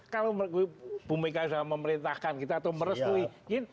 kalau mereka sudah memerintahkan kita atau merestuin